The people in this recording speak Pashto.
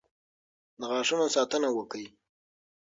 د غاښونو ساتنه وکړئ.